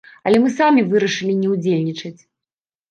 Але мы самі вырашылі не ўдзельнічаць.